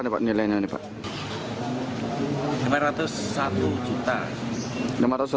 dari hasil lelang berapa nih pak nilainya